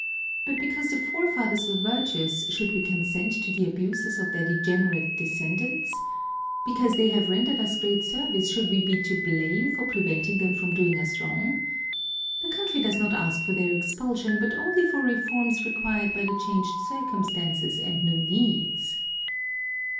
But because the forefathers were virtuous, should we consent to the abuses of their degenerate descendants? Because they have rendered us great service, should we be to blame for preventing them from doing us wrong? The country does not ask for their expulsion but only for reforms required by the changed circumstances and new needs."